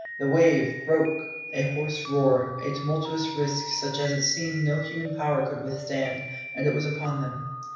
The wave, broke. A hoarse roar, a tumultuous rusk such as it seemed no human power could withstand, and it was upon them.